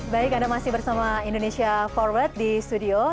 baik anda masih bersama indonesia forward di studio